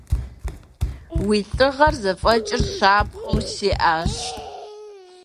Уи лӀыгъэр, зэфӀэкӀыр щапхъэу сиӀащ.